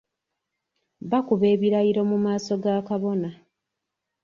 Bakuba ebirayiro mu maaso ga kabona.